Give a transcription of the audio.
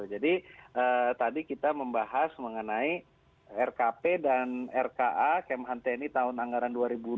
jadi tadi kita membahas mengenai rkp dan rka kemhan tni tahun anggaran dua ribu dua puluh dua